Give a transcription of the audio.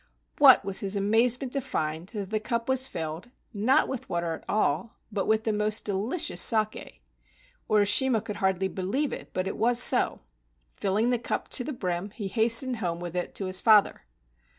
What was his amazement to find the cup was filled, not with water at all, but with the most delicious saki. Urishima could hardly believe it, but it was so. Filling the cup to the brim, he hastened home with it to his father.